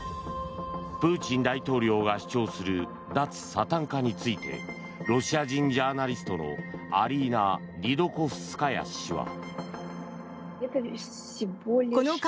プーチン大統領が主張する脱サタン化についてロシア人ジャーナリストのアリーナ・ディドコフスカヤ氏は。